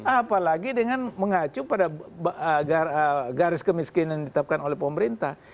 apalagi dengan mengacu pada garis kemiskinan yang ditetapkan oleh pemerintah